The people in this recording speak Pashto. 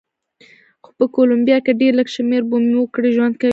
خو په کولمبیا کې ډېر لږ شمېر بومي وګړي ژوند کوي.